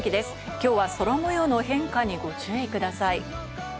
今日は空模様の変化にご注意ください。